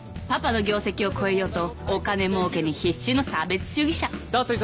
パパの業績をこえようとお金もうけに必死の差別主義者。